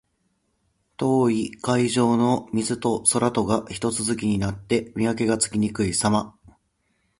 遠い海上の水と空とがひと続きになって、見分けがつきにくいさま。